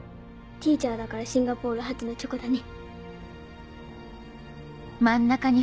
Ｔｅａｃｈｅｒだからシンガポール発のチョコだね。